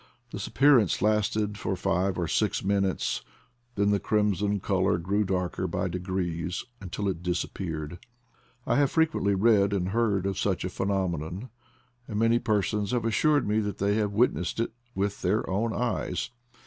This appearance lasted for five ASPECTS OF THE VALLEY 53 or six minutes, then the crimson color grew darker by degrees until it disappeared. I have frequently read and heard of such a phenomenon, and many persons have assured me that they have witnessed it "with their own eyes."